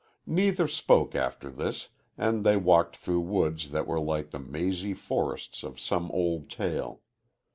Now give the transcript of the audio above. Neither spoke after this, and they walked through woods that were like the mazy forests of some old tale.